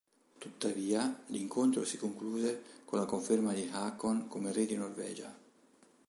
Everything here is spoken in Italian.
Tuttavia, l'incontro si concluse con la conferma di Haakon come re di Norvegia.